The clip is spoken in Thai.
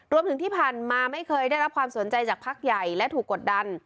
รวมถึงที่ผ่านมาไม่เคยได้รับความสนใจจากพักใหญ่และถูกกดดัน